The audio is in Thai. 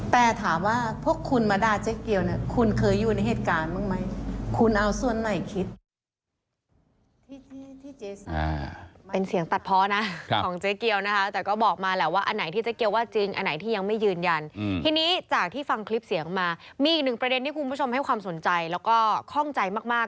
แต่ถามว่าพวกคุณมาด้าเจ๊เกียวคุณเคยอยู่ในเหตุการณ์บ้างไหม